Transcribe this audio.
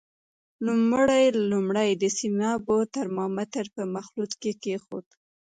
نوموړی لومړی د سیمابو ترمامتر په مخلوط کې کېښود.